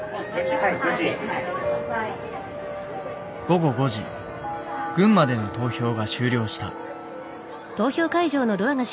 午後５時群馬での投票が終了した。